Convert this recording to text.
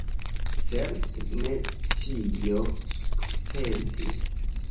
Certe ne ĉio sukcesis.